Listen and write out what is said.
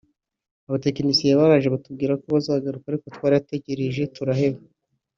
Abatekinisiye baraje batubwira ko bazagaruka ariko twarategereje turaheba